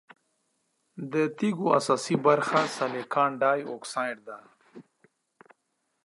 د تیږو اساسي برخه سلیکان ډای اکسايډ ده.